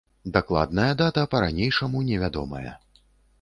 Дакладная дата па-ранейшаму невядомая.